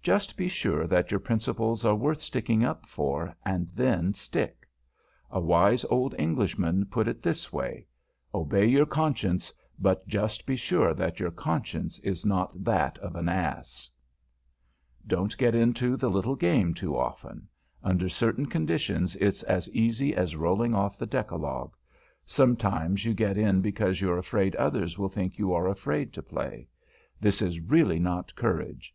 Just be sure that your principles are worth sticking up for, and then stick. A wise old Englishman puts it this way: "Obey your conscience; but just be sure that your conscience is not that of an ass." [Illustration: THE 52 PASTEBOARDS] Don't get into the little game too often. Under certain conditions it's as easy as rolling off the decalogue. Sometimes you get in because you're afraid others will think you are afraid to play. This is really not courage.